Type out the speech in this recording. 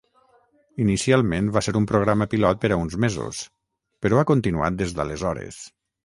Inicialment, va ser un programa pilot per a uns mesos, però ha continuat des d'aleshores.